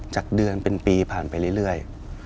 จากเดือนเป็นปีผ่านไปเรื่อย